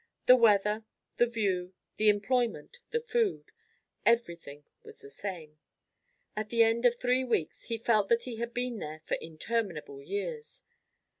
The weather, the view, the employment, the food everything was the same. At the end of three weeks he felt that he had been there for interminable years.